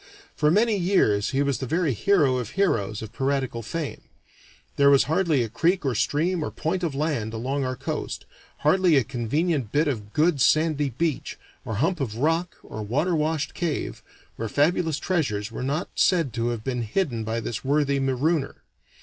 For many years he was the very hero of heroes of piratical fame; there was hardly a creek or stream or point of land along our coast, hardly a convenient bit of good sandy beach, or hump of rock, or water washed cave, where fabulous treasures were not said to have been hidden by this worthy marooner.